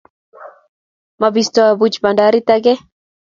mabistoi boochi bandarit akeny.